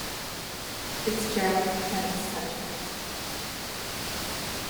FitzGerald Tennis Center.